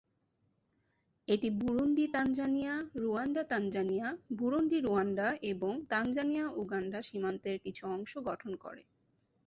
এটি Burundi Tanzania, Rwanda Tanzania, Burundi Rwanda এবং Tanzania Uganda সীমান্তের কিছু অংশ গঠন করে।